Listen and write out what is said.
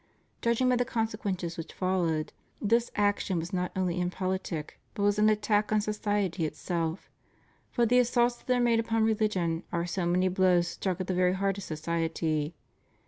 Judging by the consequences which have followed, this action was not only impolitic, but was an attack on society itself; for the assaults that are made upon religion are so many blows struck at the very heart of society.